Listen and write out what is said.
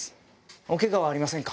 おケガはありませんか？